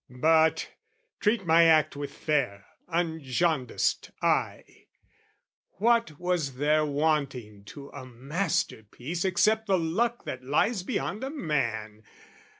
But, treat my act with fair unjaundiced eye, What was there wanting to a masterpiece Except the luck that lies beyond a man?